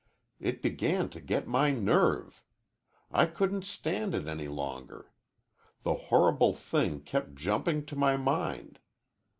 "It began to get my nerve. I couldn't stand it any longer. The horrible thing kept jumping to my mind."